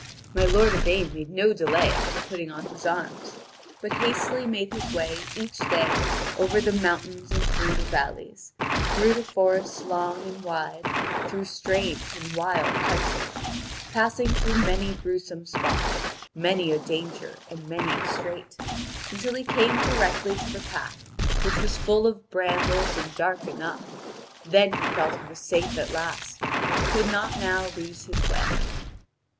My lord Yvain made no delay after putting on his arms, but hastily made his way each day over the mountains and through the valleys, through the forests long and wide, through strange and wild country, passing through many gruesome spots, many a danger and many a strait, until he came directly to the path, which was full of brambles and dark enough; then he felt he was safe at last, and could not now lose his way.